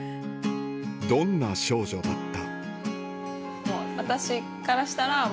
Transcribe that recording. どんな少女だった？